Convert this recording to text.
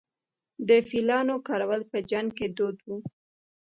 د فیلانو کارول په جنګ کې دود و